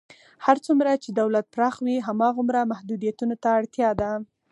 هر څومره چې دولت پراخ وي، هماغومره محدودیتونو ته اړتیا ده.